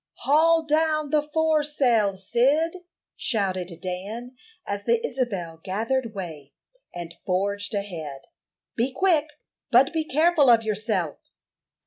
"Haul down the foresail, Cyd!" shouted Dan, as the Isabel gathered way, and forged ahead. "Be quick, but be careful of yourself."